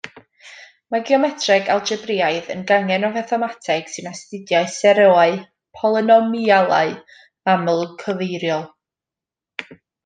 Mae geometreg algebraidd yn gangen o fathemateg, sy'n astudio seroau polynomialau aml cyfeiriol.